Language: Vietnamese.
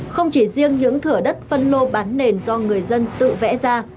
không chỉ riêng những thửa đất phân lô bán nền do người dân tự vẽ ra